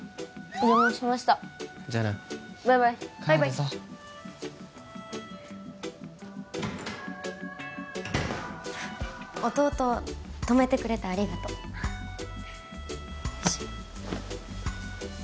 お邪魔しましたじゃあなバイバイ帰るぞ弟泊めてくれてありがとよいしょ